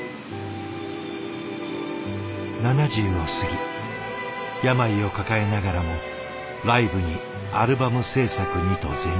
７０を過ぎ病を抱えながらもライブにアルバム制作にと全力で。